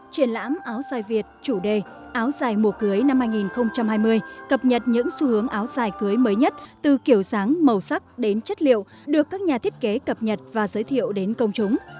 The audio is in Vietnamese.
triển lãm áo dài việt chủ đề áo dài mùa cưới năm hai nghìn hai mươi cập nhật những xu hướng áo dài cưới mới nhất từ kiểu sáng màu sắc đến chất liệu được các nhà thiết kế cập nhật và giới thiệu đến công chúng